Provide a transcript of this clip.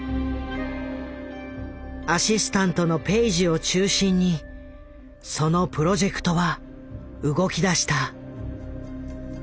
アシスタントのペイジを中心にそのプロジェクトは動きだした。